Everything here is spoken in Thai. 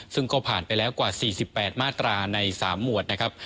ซึ่งก็ผ่านไปแล้วกว่า๔๘มาตราใน๓หมวดนะครับ